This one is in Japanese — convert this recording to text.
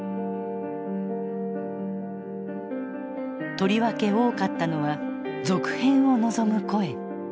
とりわけ多かったのは続編を望む声。